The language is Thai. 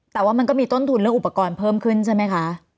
แต่ว่ามันก็มีต้นทุนเรื่องอุปกรณ์เพิ่มขึ้นใช่ไหมคะ